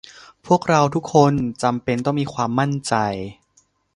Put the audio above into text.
พวกเราทุกคนจำเป็นต้องมีความมั่นใจ